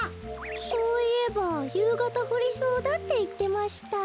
そういえばゆうがたふりそうだっていってました。